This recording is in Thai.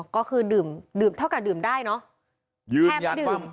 อ๋อก็คือดื่มเท่ากันดื่มได้เนาะ